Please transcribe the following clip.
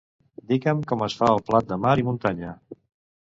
Digue'm com es fa el plat de mar i muntanya.